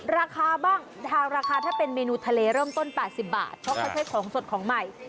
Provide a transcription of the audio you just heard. ราคาบ้างราคาถ้าเป็นเมนูทะเลเริ่มต้น๘๐บาทเพราะเขาใช้ของสดของใหม่